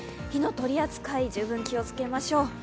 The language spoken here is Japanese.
火の取り扱い、十分に気をつけましょう。